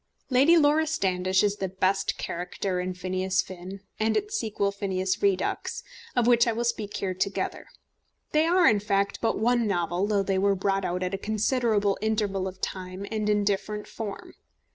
Lady Laura Standish is the best character in Phineas Finn and its sequel Phineas Redux, of which I will speak here together. They are, in fact, but one novel, though they were brought out at a considerable interval of time and in different form.